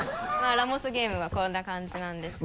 ラモスゲームはこんな感じなんですけど。